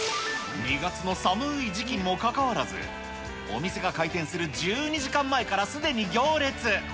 ２月の寒い時期にもかかわらず、お店が開店する１２時間前からすでに行列。